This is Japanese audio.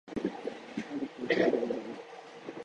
ある日の事でございます。